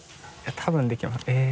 多分できますえぇ。